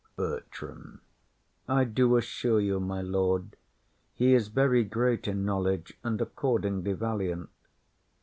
BERTRAM. I do assure you, my lord, he is very great in knowledge, and accordingly valiant.